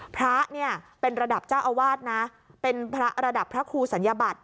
พระเป็นระดับเจ้าอาวาสเป็นระดับพระครูสัญญาบัติ